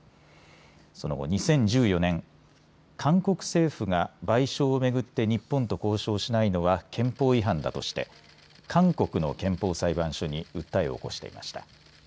その後、２０１４年、韓国政府が賠償を巡って日本と交渉しないのは憲法違反だとして韓国の憲法裁判所に訴えを起こしていました。